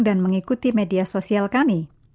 dan mengikuti media sosial kami